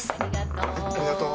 ありがとう。